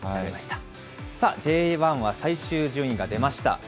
さあ、Ｊ１は最終順位が出ました。